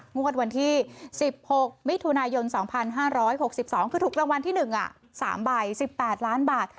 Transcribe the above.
งวดวันที่๑๖มิถุนายน๒๕๖๒คือถูกรางวัลที่๑๓ใบ๑๘ล้านบาท